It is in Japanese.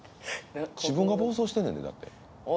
自分が暴走してんねんでだって。